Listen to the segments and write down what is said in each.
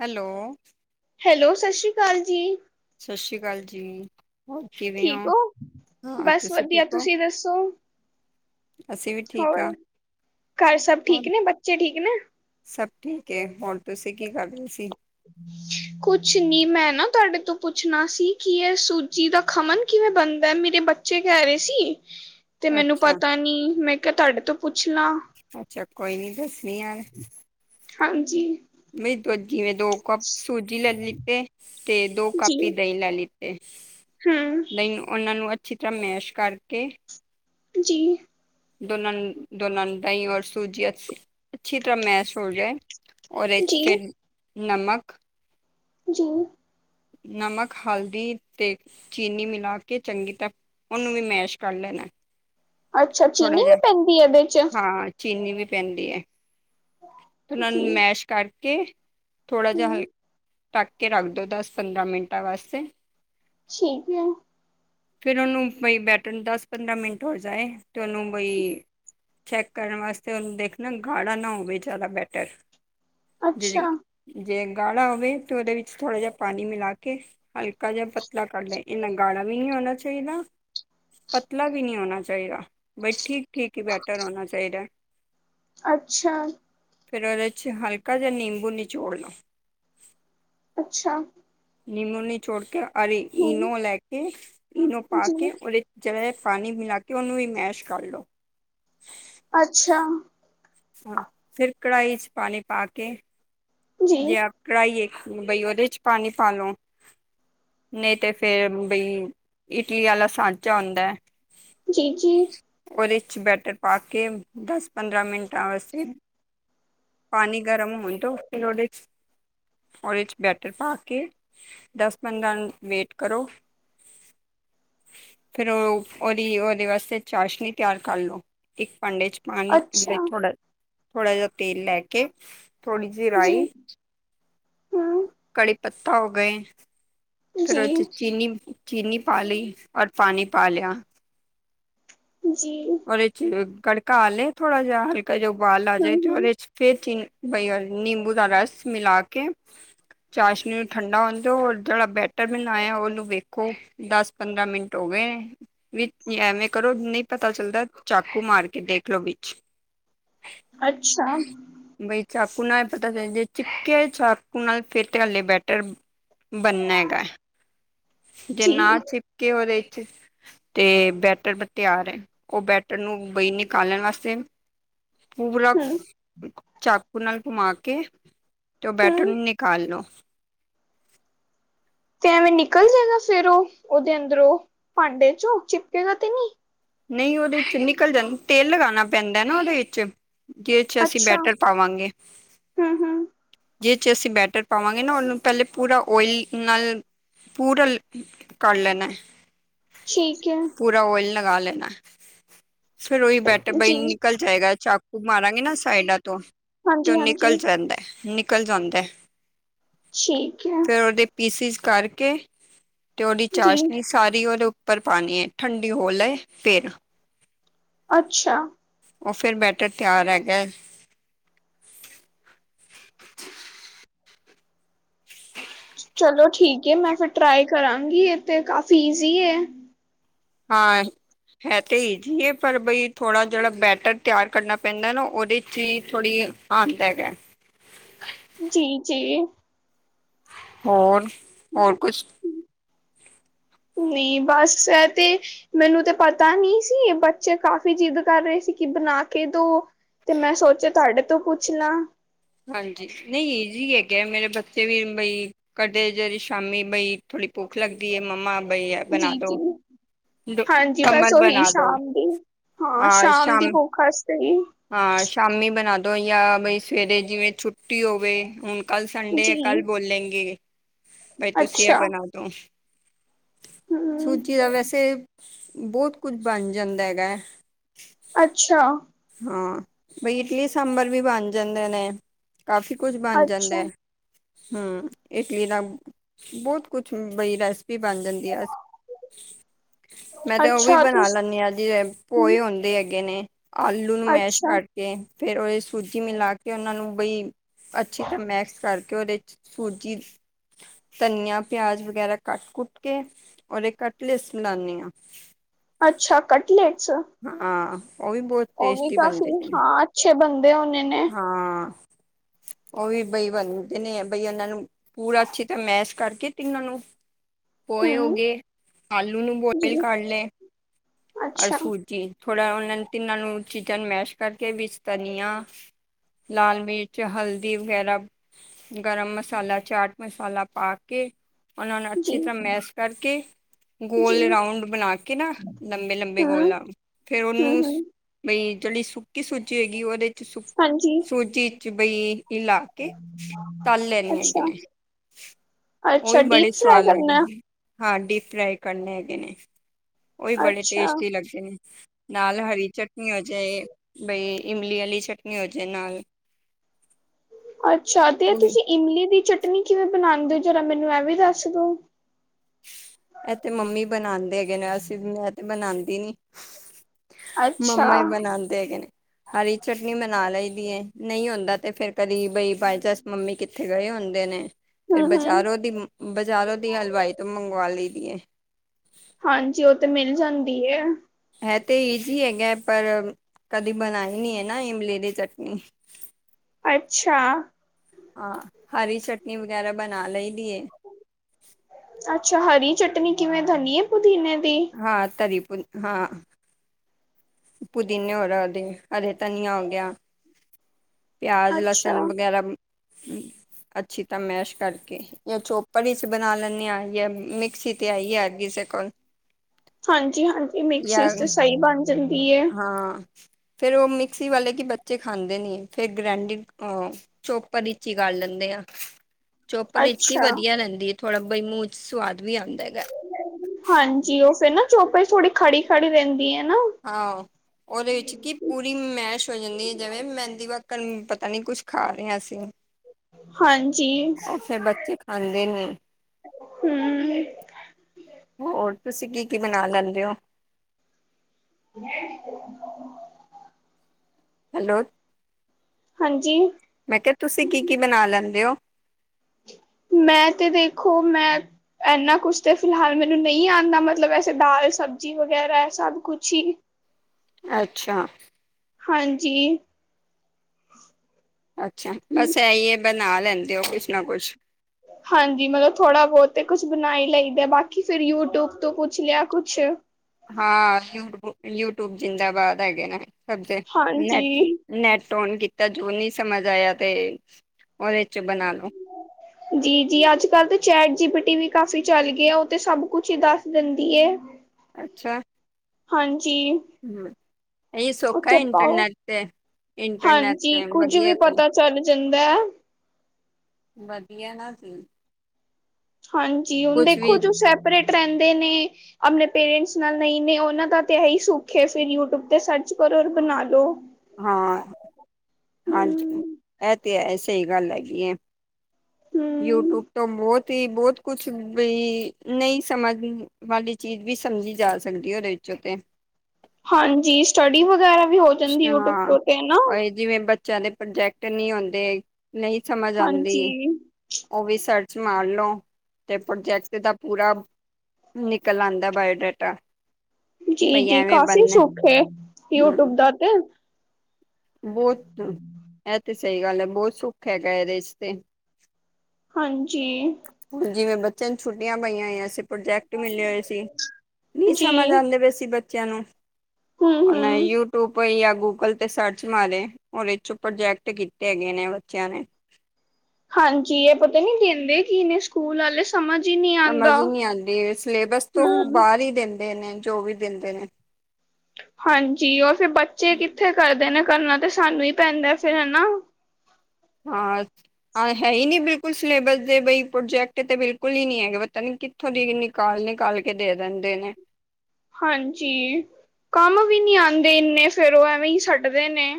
Hello, hello ਸਤਿ ਸ਼੍ਰੀ ਅਕਾਲ ਜੀ ਸਤਿ ਸ਼੍ਰੀ ਅਕਾਲ ਜੀ ਹੋਰ ਕਿਵੇਂ ਠੀਕ ਹੋ? ਹਾਂ, ਬਸ ਤੁਸੀਂ ਠੀਕ ਵਧੀਆ, ਹੋ? ਤੁਸੀਂ ਦੱਸੋ? ਅਸੀਂ ਵੀ ਠੀਕ ਹੋਰ ਹਾਂ। ਘਰ ਸਭ ਠੀਕ ਹੋਰ ਨੇ ਬੱਚੇ ਠੀਕ ਨੇ? ਸਭ ਠੀਕ ਐ, ਹੁਣ ਤੁਸੀਂ ਕੀ ਕਰ ਰਹੇ ਸੀ? [inaudible] ਕੁਛ ਨੀ ਮੈਂ ਨਾ ਤੁਹਾਡੇ ਤੋਂ ਪੁੱਛਣਾ ਸੀ, ਕਿ ਇਹ ਸੂਜੀ ਦਾ ਖਮਨ ਕਿਵੇਂ ਬਣਦਾ ਮੇਰੇ ਬੱਚੇ ਚੇ ਕਹਿ ਰਹੇ ਸੀ, ਤੇ ਮੈਨੂੰ ਅੱਛਾ, ਪਤਾ ਨੀ ਮੈਂ ਕਿਹਾ ਤੁਹਾਡੇ ਤੋਂ ਪੁੱਛ ਲਾਂ ਅੱਛਾ ਕੋਈ ਨਹੀਂ ਦੱਸਣੀ ਹਾਂ ਹਾਂਜੀ ਜਿਵੇਂ ਦੋ ਕੱਪ ਸੂਜੀ ਲੈ ਲਿੱਤੇ ਤੇ, ਦੋ ਜੀ ਕੱਪ ਹੀ ਦਹੀਂ ਲੈ ਲਿੱਤੇ ਹਮ ਤੇ ਉਹਨਾਂ ਨੂੰ ਅੱਛੀ ਤਰ੍ਹਾਂ ਮੈਸ਼ ਕਰਕੇ ਜੀ ਦੋਨਾ ਨੁੰ ਦੋਨਾਂ ਨੁੰ ਦਹੀਂ, ਔਰ ਸੂਜੀ ਅੱਛ-ਅੱਛੀ ਤਰ੍ਹਾਂ ਮੈਸ਼ ਹੋ ਜਾਏ ਔਦੇ ਚ ਜੀ ਫਿਰ ਨਮਕ ਜੀ ਨਮਕ, ਹਲਦੀ ਤੇ ਚੀਨੀ ਮਿਲਾ ਕੇ ਚੰਗੀ ਤਰ ਉਹਨੂੰ ਵੀ ਮੈਸ਼ ਕਰ ਲੈਣਾ ਅੱਛਾ ਥੋੜਾ ਚੀਨੀ ਜਿਹਾ ਵੀ ਪੈਂਦੀ ਹੈ ਇਹਦੇ ਚ ਹਾਂ ਚੀਨੀ ਵੀ ਪੈਂਦੀ ਹੈ, ਤੇ ਉਹਨਾਂ ਨੂੰ ਜੀ ਮੈਸ਼ ਕਰਕੇ ਥੋੜ੍ਹਾ ਜਿਹਾ ਹਮ ਹਲਕਾ ਢੱਕ ਕੇ ਰੱਖਦੋ, ਦਸ ਪੰਦਰਾਂ ਮਿੰਟਾਂ ਵਾਸਤੇ ਠੀਕ ਹੈ। ਫਿਰ ਉਹਨੂੰ ਬਈ ਬੈਟਰਨ ਦਸ ਪੰਦਰਾਂ ਮਿੰਟ ਹੋ ਜਾਏ, ਅਤੇ ਉਹਨੂੰ ਬਈ ਚੈੱਕ ਕਰਨ ਵਾਸਤੇ ਉਹਨੂੰ ਦੇਖਣਾ, ਗਾੜਾ ਨਾ ਹੋਵੇ ਜ਼ਿਆਦਾ ਬੈਟਰ ਅੱਛਾ ਜੇ ਗਾੜਾ ਹੋਵੇ, ਤੇ ਉਹਦੇ ਵਿੱਚ ਥੋੜ੍ਹਾ ਜਿਹਾ ਪਾਣੀ ਮਿਲਾ ਕੇ ਹਲਕਾ ਜੇ ਪਤਲਾ ਕਰਲੈ ਇਹਨਾ ਗਾੜਾ ਵੀ ਨਹੀਂ ਹੋਣਾ ਚਾਹੀਦਾ, ਪਤਲਾ ਵੀ ਨਹੀਂ ਹੋਣਾ ਚਾਹੀਦਾ, ਬਸ ਠੀ ਠੀਕ ਬੈਟਰ ਹੋਣਾ ਚਾਹੀਦਾ ਅੱਛਾ ਫੇਰ ਉਹਦੇ ਚ ਹਲਕਾ ਜਿਹਾ ਨਿੰਬੂ ਨਿਚੋੜ ਲਓ ਅੱਛਾ ਨਿੰਮੁ ਨੀਚੋੜ ਕੇ ਅਰ, ਇਨੋ ਹਮ ਲੈ ਕੇ ਇਨੋ ਪਾ ਜੀ ਕੇ ਉਹ ਜਿਹੜਾ ਹੈ, ਪਾਣੀ ਮਿਲਾ ਕੇ ਉਹਨੂੰ ਵੀ ਮੈਸ਼ ਕਰ ਲਉ ਅੱਛਾ ਹਾਂ ਫਿਰ ਕੜਾਹੀ ਚ ਪਾਣੀ ਪਾ ਕੇ ਜੇ ਆਪ ਕਢਾਈ ਇੱਕ ਬਈ ਉਹਦੇ ਚ ਪਾਣੀ ਪਾ ਲਓ ਨਹੀਂ ਤੇ ਫੇਰ ਬਈ ਇਟਲੀ ਵਾਲਾ ਸਾਂਚਾ ਹੁੰਦਾ ਹੈ। ਜੀ-ਜੀ ਉਹਦੇ 'ਚ ਬੈਟਰ ਪਾ ਕੇ ਦਸ ਪੰਦਰਾਂ ਮਿੰਟਾਂ ਵਾਸਤੇ ਪਾਣੀ ਗਰਮ ਹੋਣ ਤੋਂ ਫਿਰ ਉਹਦੇ ਚ ਉਹਦੇ ਚ ਬੈਟਰ ਪਾ ਕੇ ਦਸ ਪੰਦਰਾਂ ਨੁ ਵੇਟ ਕਰੋ ਫਿਰ ਉਹ ਉਹਦੀ ਉਹਦੇ ਵਾਸਤੇ ਚਾਸ਼ਨੀ ਤਿਆਰ ਕਰ ਲਓ ਇੱਕ ਭਾਂਡੇ ਚ ਪਾਣੀ ਥੋੜਾ-ਥੋੜ੍ਹਾ, ਜਿਹਾ ਤੇਲ ਲੈ ਕੇ ਥੋੜ੍ਹੀ ਜਿਹੀ ਰਾਈ ਕੜੀ ਪੱਤਾ ਹੋ ਗਏ, ਫਿਰ ਉਹ ਚੇ ਚੀਨੀ ਚੀਨੀ ਪਾ ਲੀ ਔਰ ਪਾਣੀ ਪਾ ਲਿਆ ਜੀ ਉਹਦੇ ਚ ਕੜਕਾ ਆ ਲਏ ਥੋੜਾ ਜਿਹਾ ਹਲਕਾ ਜਹਾ ਉਬਾਲ ਆ ਜਾਏ ਤੇ ਉਹਦੇ ਚ ਫਿਰ ਚੀ ਨਿੰਮਬੂ ਦਾ ਰਸ ਮਿਲਾ ਕੇ। ਚਾਹਸ਼ ਨੂੰ ਠੰਡਾ ਹੋਣ ਦਿਓ ਜਿਹੜਾ ਬੈਟਰ ਮਨਾਇਆ ਉਹਨੂੰ ਵੇਖੋ। ਦਸ ਪੰਦਰਾਂ ਮਿੰਟ ਹੋ ਗਏ ਨੇ ਵੀ ਐਵੇਂ ਕਰੋ ਨਹੀਂ ਪਤਾ ਪਤਾ ਚਲਦਾ ਚਾਕੂ ਮਾਰ ਕੇ ਦੇਖਲੋ ਵਿੱਚ ਅੱਛਾ। ਬਈ ਚਾਕੂ ਨਾਲ ਪਤਾ ਚੱਲ ਜੇ ਚਿੱੱਕਿਆ ਚਾਕੂ ਨਾਲ ਫਿਰ ਤੇ ਹਾਲੇ ਬੈਟਰ ਬਣਨਾ ਹੈਗਾ ਜੇ ਜੀ ਨਾ ਚਿਪ ਕੇ ਉਹਦੇ ਚ ਤੇ ਬੈਟਰ ਬ ਤਿਆਰ ਹੈ ਉਹ ਬੈਟਰ ਨੂੰ ਬਈ ਨਿਕਾਲਣ ਵਾਸਤੇ ਪੁੱਲ ਹਮ ਲਬ ਚਾਕੂ ਨਾਲ ਘੁਮਾ ਕੇ ਤੇ ਉਹ ਬੈਟਰ ਹਮ ਨੂੰ ਨਿਕਾਲ ਲੋ। ਤੇ ਐਵੇਂ ਨਿਕਲ ਜਾਏਗਾ ਫਿਰ ਉਹ ਉਹਦੇ ਅੰਦਰੋਂ ਭਾਂਡੇ ਚੋਂ ਚਿਪਕੇਗਾ ਤੇ ਨਹੀਂ ਨਹੀਂ ਉਹਦੇ ਚ ਨਿਕਲ ਜਾਂਦਾ ਤੇਲ ਲਗਾਉਣਾ ਪੈਂਦਾ ਨਾ ਉਹਦੇ ਚ ਜਿਸ ਚ ਅਸੀਂ ਅੱਛਾ ਬੈਟਰ ਪਾਵਾਂਗੇ। ਹਮ ਹਮ ਜਿਸ ' ਅਸੀਂ ਬੈਟਰ ਪਾਵਾਂਗੇ ਨਾ ਉਹਨੂੰ ਪਹਿਲੇ ਪੂਰਾ ਓਇਲ ਨਾਲ ਪੂਰਾ ਕਰ ਲੈਣਾ ਠੀਕ ਹੈ। ਪੂਰਾ ਓਇਲ ਲਗਾ ਲੈਣਾ ਫਿਰ ਉਹੀ ਬੈਠ ਬਾਈ ਜੀ ਨਿਕਲ। ਜਾਏਗਾ ਚਾਕੂ ਮਾਰਾਂਗੀ ਨਾ ਸਾਈਡਾਂ ਤੋਂ ਤੇ ਉਹ ਹਾਂਜੀ ਹਾਂਜੀ ਨਿਕਲ ਜਾਂਦਾ ਨਿਕਲ ਜਾਂਦਾ। ਠੀਕ ਹੈ। ਫਿਰ ਉਹਦੇ ਪੀਸ ਕਰਕੇ ਤੇ ਉਹਦੀ ਜੀ ਚਾਸ਼ਨੀ ਸੀ। ਤਾਜੀ ਉਹਦੇ ਉੱਪਰ ਪਾਣੀ ਹੈ ਠੰਡੀ ਹੋ ਲ ਹੈ ਫਿਰ ਅੱਛਾ। ਉਹ ਫਿਰ ਬੈਟਰ ਤਿਆਰ ਹੈਗਾ। [unintelligible] ਚਲੋ ਠੀਕ ਹੈ ਮੈਂ ਫਿਰ ਟਰਾਈ ਕਰਾਂਗੀ ਇਹ ਤੇ ਕਾਫੀ ਈਜ਼ੀ ਹਾਂ, ਹੈ ਤੇ ਹੀ ਈਜੀ ਪਰ ਬਈ ਥੋੜਾ ਜਿਹੜਾ ਬੈਟਰ ਤਿਆਰ ਕਰਨਾ ਪੈਂਦਾ ਨਾ ਉਹਦੇ ਚ ਹੀ ਥੋੜੀ ਅੰਦਾ ਹੈਗਾ। ਜੀ ਜੀ, ਹੋਰ ਹੋਰ ਕੁਛ ਨਹੀਂ ਬਸ ਇਹ ਤੇ ਮੈਨੂੰ ਤੇ ਪਤਾ ਨਹੀਂ ਸੀ ਬੱਚੇ ਕਾਫ਼ੀ ਜਿੱਦ ਕਰ ਰਹੇ ਸੀ ਕਿ ਬਣਾ ਕੇ ਦੋ ਤੇ ਮੈਂ ਸੋਚਿਆ ਤੁਹਾਡੇ ਤੋਂ ਪੁੱਛ ਲਾ। ਹਾਂਜੀ ਨਹੀਂ ਇਜੀ ਹੈਗੇ ਮੇਰੇ ਬੱਚੇ ਵੀ ਬਈ ਕਰਦੇ ਜਹੜੀ ਸ਼ਾਮੀ ਬਈ ਥੋੜੀ ਭੁੱਖ ਲੱਗਦੀ ਮੰਮਾ ਬਈ ਇਹ ਬਣਾ ਜੀ ਦੋ। ਜੀ ਹਾਂਜੀ, ਬਸ ਕਮਲ ਓਹੀ ਬਣਾ ਦੋ ਸ਼ਾਮ ਦੀ ਹਾਂ ਸ਼ਾਮ ਦੀ ਭੁੱਖ ਵਾਸਤੇ ਹੀ। ਹਾਂ, ਸ਼ਾਮੀ ਬਣਾ ਦੋ ਜਾਂ ਬਈ ਸਵੇਰੇ ਜਿਵੇਂ ਛੁੱਟੀ ਹੋਵੇ ਹੁਣ ਕੱਲ ਸੰਡੇ ਹੈ ਕੱਲ ਜੀ ਬੋਲ ਲ ਗੇ ਬਾਈ ਤੁਸੀਂ ਇਹ ਅੱਛਾ ਬਣਾ ਦੋ। ਸੂਜੀ ਦਾ ਹਮ ਵੈਸੇ ਬਹੁਤ ਕੁਝ ਬਣ ਜਾਂਦਾ ਹੈਗਾ ਹੈ। ਅੱਛਾ। ਹਾਂ, ਬਈ ਇਡਲੀ ਸਾਂਬਰ ਵੀ ਬਣ ਜਾਂਦੇ ਨੇ ਕਾਫ਼ੀ ਕੁਛ ਬਣ ਜਾਂਦਾ ਅੱਛਾ ਹੈ। ਹੂ ਇੱਕ ਲੀਲਾ। ਬਹੁਤ ਕੁਛ ਬਈ ਰੈਸਪੀ ਬਣ ਜਾਂਦੀ ਹੈ। ਮੈਂ ਤੇ ਉਹ ਵੀ ਅੱਛਾ ਬਣਾ ਤੁਸੀਂ ਲੈਂਦੀ ਹਾਂ, ਜੇ ਭੋਏ ਹੁੰਦੇ ਹੈਗੇ ਨੇ ਆਲੂ ਨੂੰ ਮੈਸ਼ ਅੱਛਾ ਕਰਕੇ ਫੇਰ ਉਹ ਸੂਜੀ ਮਿਲਾ ਕੇ, ਉਹਨਾਂ ਨੂੰ ਬਈ ਅੱਛੀ ਤਰ੍ਹਾਂ ਮੈਕਸ ਕਰ। ਘਿਓ ਦੇ ਵਿੱਚ ਸੂਜੀ ਧਨੀਆ ਪਿਆਜ ਵਗੈਰਾ, ਕੱਟ-ਕੁੱਟ ਕੇ ਔਰ ਇਹ ਕੱਟ ਲਸ ਬਨਾਦੀ ਹਾਂ। ਅੱਛਾ ਕਟਲੇਟਸ, ਹਾਂ ਉਹ ਵੀ ਬਹੁਤ। ਉਹ ਵੀ ਟੇਸਟੀ ਬਣਦੇ ਕਾਫ਼ੀ ਨੇ ਹਾਂ ਅੱਛੇ ਬੰਦੇ ਹੋਣੇ ਨੇ ਹਾਂ ਉਹ ਵੀ ਬਈ ਬਣਦੇ ਨੇ ਬਈ ਉਹਨਾਂ ਨੂੰ ਪੂਰਾ ਅੱਛੀ, ਤਾਂ ਮੈਸ਼ ਕਰਕੇ ਤਿੰਨਾਂ ਨੂੰ ਪਏ ਹੋ ਹਮ ਗਏ, ਆਲੂ ਨੂੰ ਜੀ ਬੋਇਲ ਕਰ ਲਏ ਅੱਛਾ ਸੂਜੀ ਥੋੜਾ, ਉਹਨਾਂ ਨੇ ਤਿੰਨਾਂ ਨੂੰ ਚੀਜ਼ਾਂ ਨੂੰ ਮੈਸ਼ ਕਰਕੇ ਵਿੱਚ ਧਨੀਆ ਲਾਲ ਮਿਰਚ ਹਲਦੀ ਵਗੈਰਾ ਗਰਮ-ਮਸਾਲਾ ਚਾਟ ਮਸਾਲਾ ਪਾ ਕੇ ਉਹਨਾਂ ਨੂੰ ਅੱਛੀ ਜੀ ਤਰ੍ਹਾਂ ਮੈਸ਼ ਕਰਕੇ, ਜੀ ਗੋਲ ਰਾਊਂਡ ਬਣਾ ਕੇ ਨਾ ਲੰਬੇ-ਲੰਬੇ ਹਮ ਗੋਲਾਂ ਫੇਰ ਉਹਨੂੰ ਹਮ ਹਮ ਬਈ ਜਿਹੜੀ ਸੁੱਕੀ ਸੂਜੀ ਹੈਗੀ, ਉਹਦੇ ਚ ਸੁ ਹਾਂਜੀ। ਸੂਜੀ ਚ ਬਈ ਇਲਾ ਕੇ ਤਲ ਲੈਣੀ ਹੈਗੇ ਅੱਛਾ ਨੇ, ਉਹ ਵੀ ਅੱਛਾ ਬੜੇ ਡੀਪ ਫਰਾਈ ਸਵਾਦ ਲੱਗਦੇ ਕਰਨਾ ਹਨ। ਹਾਂ ਡੀਪ ਫਰਾਈ ਕਰਨੇ ਹੈਗੇ, ਨੇ ਉਹਹੀ ਬੜੇ ਅੱਛਾ ਟੇਸਟੀ ਲੱਗਦੇ ਨੇ ਨਾਲ ਹਰੀ ਚਟਨੀ ਹੋ ਜਾਏ, ਬਈ ਇਮਲੀ ਵਾਲੀ ਚਟਨੀ ਹੋ ਜਾਏ ਨਾਲ ਅੱਛਾ ਤੇ ਇਹ ਉਹ ਤੁਸੀਂ ਇਮਲੀ ਦੀ ਚਟਨੀ ਕਿਵੇਂ ਬਣਾਉਂਦੇ ਹੋ ਜ਼ਰਾ ਮੈਨੂੰ ਇਹ ਵੀ ਦੱਸ ਦੋ? ਇਹ ਤੇ ਮੰਮੀ ਬਣਾਉਦੇ ਹੈਗੇ ਨੇ, ਅਸੀ ਮੈਂ ਤੇ ਬਣਾਉਦੀ ਨੀ ਅੱਛਾ ਮੰਮਾ ਹੀ ਬਣਾਉਂਦ ਹੈਗੇ ਨੇ ਹਰੀ ਚਟਨੀ ਬਣਾ ਲਈ ਦੀ ਹੈ, ਨਹੀਂ ਹੁੰਦਾ ਤੇ ਫੇਰ ਕਦੀ ਬਈ ਬਾਾਈ ਚਾਂਸ ਮੰਮੀ ਕਿੱਥੇ ਗਏ, ਹੁੰਦੇ ਨੇ ਫਿਰ ਹਮ ਹਮ ਬਜਾਰੋਂ ਦੀ ਬਜ਼ਾਰੋਂ ਦੀ ਹਲਵਾਈ ਤੋਂ ਮੰਗਵਾ ਲਈਦੀ ਹੈ। ਹਾਂਜੀ, ਉਹ ਤੇ ਮਿਲ ਜਾਂਦੀ ਏ ਹੈ ਤੇ ਜ਼ੀ ਹੈਗਾ, ਪਰ ਕਦੀ ਬਣਾ ਹੀ ਨਹੀ ਹੈ, ਨਾ ਇਮਲੀ ਦੀ ਚਟਨੀ ਅੱਛਾ। ਹਾਂ ਹਰੀ ਚਟਨੀ ਵਗੈਰਾ ਬਣਾ ਲਈ ਦੀ ਏ ਅੱਛਾ ਹਰੀ ਚਟਨੀ ਕਿਵੇਂ, ਧਨੀਏ ਪੁਦੀਨੇ ਦੀ ਹਾਂ ਤਰੀ ਪੁ ਹਾਂ ਪੁਦੀਨੇ ਹੋਰ ਉਹਦੇ ਅਰੇ ਧਨੀਆ ਹੋ ਗਿਆ। ਪਿਆਜ ਅੱਛਾ ਲਸਣ ਵਗੈਰਾ ਹ ਅੱਛੀ ਤਰਾ ਮੈਸ਼ ਕਰਕੇ, ਜਾਂ ਚੋਪੜ ਹੀ ਬਣਾ ਲੈਂਦੇ ਆ, ਜਾ ਮਿਕਸੀ ਤੇ ਹੈ ਹੈਗੀ ਏ। [unintelligible] ਹਾਂਜੀ, ਹਾਂਜੀ ਮਿਕਸੀ ਵਿਚ ਤੇ ਸਹੀ ਬਣ ਜਾਂਦੀ ਹੈ। ਹਾਂ ਫੇਰ ਉਹ ਮਿਕਸੀ ਵਾਲੇ ਕੀ ਬੱਚੇ ਖਾਂਦੇ ਨੀ ਫੇਰ ਗ੍ਰੈਂਡਗ ਚੋਪਰ ਵਿੱਚ ਹੀ ਕਰ ਲੈਂਦੇ ਆ। ਚੋਪਰ ਵਿਚ ਹੀ ਅੱਛਾ ਵਧੀਆ ਰਹਿੰਦੀ ਹੈ, ਥੋੜਾ ਮੂੰਹ ਚ ਸਵਾਦ ਵੀ ਆਉਂਦਾ ਹੈਗਾ। ਹਾਂਜੀ, ਉਹ ਫੇਰ ਨਾ ਚੋਪੇਰ ਥੋੜੀ ਖੜੀ ਖੜੀ ਰਹਿੰਦੀ ਹੈ ਨਾ ਹਾਂ ਉਹਦੇ ਵਿੱਚ ਕੀ ਪੂਰੀ ਮੈਸ਼ ਹੋ ਜਾਂਦੀ ਹੈ, ਜਿਵੇਂ ਮਹਿੰਦੀ ਵਾਕਰਨ ਨੂੰ ਪਤਾ ਨੀ ਕੁਝ ਖਾ ਰਹੇ ਹਾਂ ਅਸੀਂ ਹਾਂਜੀ। ਉਹ ਫਿਰ ਬੱਚੇ ਖਾਂਦੇ ਨੀ ਹਮ ਹੋਰ ਤੁਸੀਂ ਕੀ ਕੀ ਬਣਾ ਲੈਂਦੇ ਹੋ? [unintelligible] ਹੈਲੋ। ਹਾਂਜੀ। ਮੈਂ ਕਿਹਾ ਤੁਸੀਂ ਕੀ- ਕੀ ਬਣਾ ਲੈਂਦੇ ਹੋ? ਮੈਂ ਤੇ ਦੇਖੋ ਮੈਂ ਇੰਨਾ ਕੁਛ ਤੇ ਫਿਲਹਾਲ ਮੈਨੂੰ ਨਹੀਂ ਆਉਂਦਾ ਮਤਲਬ ਐਸੇ ਦਾਲ, ਸਬਜ਼ੀ ਵਗੈਰਾ ਸਭ ਕੁਛ ਹੀ ਅੱਛਾ। ਹਾਂਜੀ। ਅੱਛਾ, ਬਸ ਇਹ ਹੈ ਬਣਾ ਲੈਂਦੇ ਹੋ ਕੁਛ ਨਾ ਕੁਛ। ਹਾਂਜੀ, ਮਤਲਬ ਥੋੜਾ- ਬਹੁਤ ਕੁਛ ਬਣਾਈ ਹੀ ਲਈਦੇ ਬਾਕੀ ਫਿਰ ਯੂਟਿਊਬ ਤੋਂ ਪੁੱਛ ਲਿਆ ਕੁਛ ਹਾਂ। ਯ ਯੂਟਊਬ ਜਿੰਦਾਬਾਦ ਹੈਗੇ ਨੇ। ਨੈਟ, ਹਾਂਜੀ ਨੈਟ ਔਨ ਕੀਤਾ। ਜੋ ਨੀ ਸਮਝ ਆਇਆ ਤੇ, ਉਹਦੇ ਬਣਾ ਲਉ। ਜੀ- ਜੀ ਅੱਜ-ਕੱਲ ਤਾਂ ਚੈਟ ਜੀ ਪੀ ਟੀ ਵੀ ਕਾਫੀ ਚੱਲ ਗਈ ਆ। ਉਹ ਤੇ ਸਭ ਕੁਛ ਹੀ ਦੱਸ ਦਿੰਦੀ ਹੈ। ਅੱਛਾ। ਹਾਂਜੀ। ਹਮ ਇਹ ਸੌਖਾ ਉੱਥੇ ਪਾਓ ਇੰਟਰਨੈਟ ਤੇ ਇੰਟਰਨੈਟ ਤੇ ਵਧੀਆ ਕੋਈ ਤੁਹਾਨੂੰ ਚੰਗਾ ਐ। ਵਧੀਆ ਨਾ ਥੀ। ਹਾਂਜੀ, ਹੁਣ ਦੇਖੋ ਵੀ ਜੋ ਸੈਪਰੇਟ ਰਹਿੰਦੇ ਨੇ। ਆਪਣੇ ਪੇਰੈਂਟਸ ਨਾਲ ਨਹੀਂ ਨੇ ਉਹਨਾਂ ਦਾ ਤੇ ਇਹੀ ਸੁੱਖ ਫਿਰ ਯੂਟਿਊਬ ਤੇ ਸਰਚ ਕਰੋ ਔਰ ਬਣਾ ਲੋ। ਹਾਂ। [inaudible] ਹਾਂਜੀ, ਇਹ ਤੇ ਹੈ ਸਹੀ ਗੱਲ ਹੈਗੀ ਹੈ। ਯੂਟਿਊਬ ਹੂੰ ਤੋਂ ਬਹੁਤ ਤੇ ਬਹੁਤ ਕੁਛ ਵੀਈ ਨਹੀਂ ਸਮਝ ਵਾਲੀ ਚੀਜ਼ ਵੀ ਸਮਝੀ ਜਾ ਸਕਦੀ ਉਹਦੇ ਵਿੱਚੋਂ ਤੇ। ਹਾਂਜੀ, ਸਟੱਡੀ ਵਗੈਰਾ ਵੀ ਹੋ। ਜਾਂਦੀ ਯੂਟਿਊਬ ਤੋਂ ਤੇ ਨਾ ਹਾਂ, ਜਿਵੇਂ ਬੱਚਿਆਂ ਦੇ ਪ੍ਰੋਜੈਕਟ ਨਹੀਂ ਆਉਂਦੇ। ਨਹੀਂ ਸਮਝ ਆਉਂਦੀ। ਹਾਂਜੀ। ਉਹ ਵੀ ਸਰਚ ਮਾਰ ਲੋ ਤੇ ਪ੍ਰੋਜੈਕਟ ਦਾ ਪੂਰਾ ਨਿਕਲ ਆਉਂਦਾ ਬਾਇਓਡਾਟਾ। ਜੀ ਬਈ -ਜੀ ਐਵੇਂ ਕਾਫੀ ਬਣਨਾ ਸੁਖ ਹੈ ਯੂਟਿਊਬ ਹਮ ਦਾ ਤੇ। ਬਹੁਤ ਇਹ ਤੇ ਸਹੀ ਗੱਲ ਹੈ ਬਹੁਤ ਸੁੱਖ ਹੈਗਾ ਇਹਦੇ ਇਸ ਤੇ। ਹਾਂਜੀ। ਹੁਣ ਜਿਵੇਂ ਬੱਚਿਆਂ ਨੂੰ ਛੁੱਟੀਆਂ ਪਈਆਂ ਆ। ਪ੍ਰੋਜੈਕਟ ਮਿਲੇ ਹੋਏ ਸੀ। ਨਹੀਂ ਜੀ ਸਮਝ ਆਉਂਦੇ ਪਏ ਸੀ ਬੱਚਿਆਂ ਨੂੰ। ਹੂੰ ਉਹ ਹੂੰ। ਯੂਟੀਊਬ, ਗੂਗਲ ਤੇ ਸਰਚ ਮਾਰੇ। ਉਹਦੇ ਚੋਂ ਪ੍ਰੋਜੈਕਟ ਕੀਤੇ ਹੈਗੇ ਨੇ ਬੱਚਿਆਂ ਨੇ। ਹਾਂਜੀ, ਇਹ ਪਤਾ ਨੀ ਕਹਿੰਦੇ ਕਿ ਇਹਨੇ ਸਕੂਲ ਵਾਲੇ। ਸਮਝ ਹੀ ਨਹੀਂ ਸਮਝ ਆਂਦਾ। ਹੀ ਨਹੀਂ ਆਦੀ। ਸਿਲੇਬਸ ਤੋਂ ਹੂੰ ਬਾਹਰ ਹੀ ਦਿੰਦੇ ਨੇ ਜੋ ਵੀ ਦਿੰਦੇ ਨੇ। ਹਾਂਜੀ, ਉਹ ਫਿਰ ਬੱਚੇ ਕਿੱਥੇ ਕਰਦੇ ਨੇ ਕਰਨਾ ਤੇ ਸਾਨੂੰ ਹੀ ਪੈਂਦਾ ਫਿਰ ਹਨਾ। ਹਾਂ। ਹਾਂ ਹੈ ਹੀ ਨਹੀਂ ਬਿਲਕੁਲ ਸਿਲੇਬਸ ਦੇ ਬਈ ਪ੍ਰੋਜੈਕਟ ਤੇ ਬਿਲਕੁਲ ਹੀ ਨੀ ਹੈਗਾ ਪਤਾ ਨੀ ਥੋਂ ਦੀ ਨਿਕਾਲ- ਨਿਕਾਲ ਕੇ ਦੇ ਦਿੰਦੇ ਨੇ। ਹਾਂਜੀ। ਕੰਮ ਵੀ ਨੀ ਆਦੇ, ਇੰਨੇ ਫੇਰ ਉਹ ਐਵੇਂ ਹੀ ਛੱਡਦੇ ਨੇ।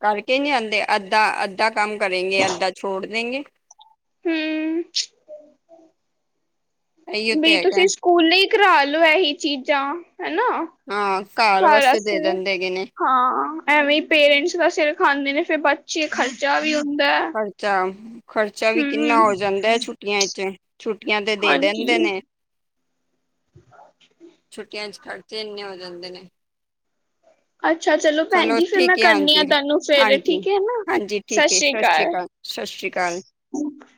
ਕਰਕੇ ਨਹੀਂ ਆਂਦੇ। ਅੱਧਾ-ਅੱਧਾ ਕੰਮ ਕਰੇਗੇ, ਅੱਧਾ ਛੋੜ ਦੇਗੇ। ਹੂੰ, ਇਹੀਓ ਤੇ ਵੀ ਹੈਗਾ ਤੁਸੀਂ ਸਕੂਲ ਹੀ ਕਰਾ ਲਓ, ਇਹੀ ਚੀਜ਼ਾਂ ਹਨਾ। ਹਾਂ। ਘਰ ਵਾਸਤੇ ਦੇ ਦਿੰਦੇ ਹੈਗੇ ਨੇ। ਹਾਂ, ਐਵੇਂ ਹੀ ਪੇਰੈਂਟਸ ਦਾ ਸਿਰ ਖਾਂਦੇ ਨੇ ਫਿਰ ਬੱਚੇ ਖ ਬੱਚਾ ਵੀ ਹੁੰਦਾ। ਖਰਚਾ। ਖਰਚਾ ਵੀ ਕਿੰਨਾ ਹਮ ਹੋ ਜਾਂਦਾ ਹੈ ਛੁੱ ਛੁੱਟੀਆਂ ਚ' ਛੁੱਟੀਆਂ ਤੇ ਦੇ ਹਾਂਜੀ ਦਿੰਦੇ ਨੇ। ਛੁੱਟੀਆਂ 'ਚ ਖਰਚੇ ਇੰਨੇ ਹੋ ਜਾਂਦੇ ਨੇ। ਅੱਛਾ ਭੈਣ ਚਲੋ ਜੀ ਫਿਰ ਮੈਂ ਠੀਕ ਹੈ ਕਰਨੀ ਆ ਹਾਂਜੀ, ਤੁਹਾਨੂੰ ਫੇਰ ਹਾਂਜੀ, ਠੀਕ ਹੈ ਨਾ ਹਾਂਜੀ, ਠੀਕ ਹੈ ਸ ਸਤਿ ਸ਼੍ਰੀ ਅਕਾਲ ਸਤਿ ਸ਼੍ਰੀ ਅਕਾਲ। ਹ [inaudible]